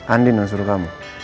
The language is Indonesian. andien yang suruh kamu